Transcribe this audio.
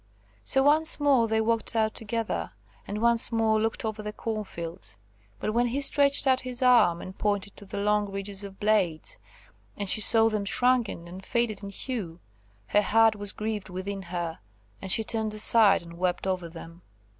So once more they walked out together, and once more looked over the corn fields; but when he stretched out his arm, and pointed to the long ridges of blades, and she saw them shrunken and faded in hue, her heart was grieved within her, and she turned aside and wept over them.